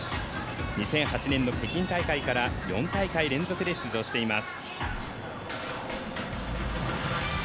２００８年の北京大会から４大会連続で出場しています。